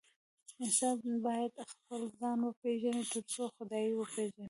انسان بايد خپل ځان وپيژني تر څو خداي وپيژني